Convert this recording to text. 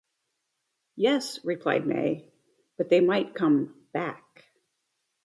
"Yes", replied May, "but they might come "back".